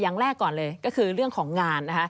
อย่างแรกก่อนก็คือเรื่องของงาน